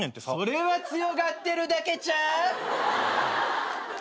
それは強がってるだけ！